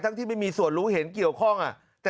ที่ไม่มีส่วนรู้เห็นเกี่ยวข้อง